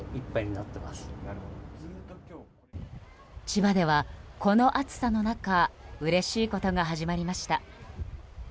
千葉では、この暑さの中うれしいことが始まりました。